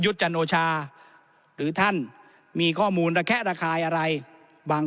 จันโอชาหรือท่านมีข้อมูลระแคะระคายอะไรบาง